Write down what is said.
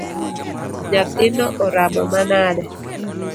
Nyathino oramo manade?